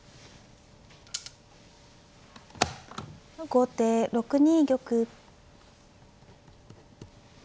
後手６二玉。